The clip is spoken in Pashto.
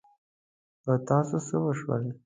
په تاسو څه وشول؟